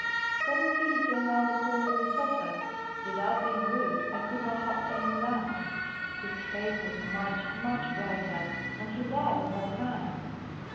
Presently he came round the corner of the sofa. Without being rude, I could not help turning round. His face was much, much, brighter, and his eyes more kind.